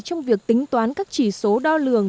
trong việc tính toán các chỉ số đo lường